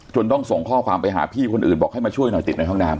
ต้องส่งข้อความไปหาพี่คนอื่นบอกให้มาช่วยหน่อยติดในห้องน้ำ